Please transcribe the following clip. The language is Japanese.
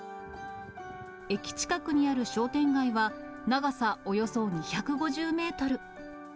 駅近くにある商店街は、長さおよそ２５０メートル。